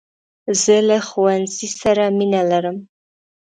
زه له ښوونځۍ سره مینه لرم .